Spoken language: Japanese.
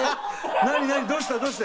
どうした？